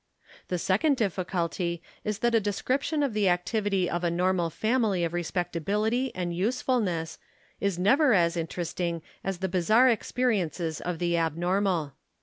The second difficulty is that a description of the ac tivity of a normal family of respectability and useful ness is never as interesting as the bizarre experiences of the abnormal.